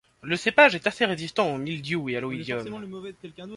Le cépage est assez résistant au mildiou et à l'oïdium.